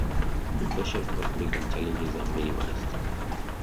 Social conflict and challenges are minimized.